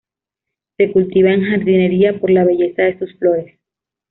Se cultivan en jardinería por la belleza de sus flores.